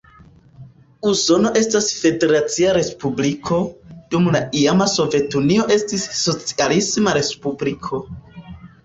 Usono estas federacia respubliko, dum la iama Sovetunio estis socialisma respubliko.